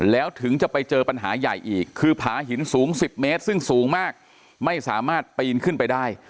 แล้วถึงจะไปเจอปัญหาใหญ่อีกคือผาหินสูง๑๐เมตรซึ่งสูงมากไม่สามารถปีนขึ้นไปได้